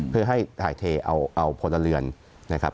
เพื่อให้ถ่ายเทเอาพลเรือนนะครับ